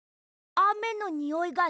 あめのにおい？